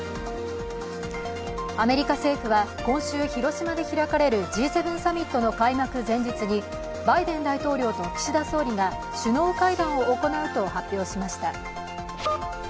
アメリカ政府は今週広島で開かれるＧ７サミットの開幕前日にバイデン大統領と岸田総理が首脳会談を行うと発表しました。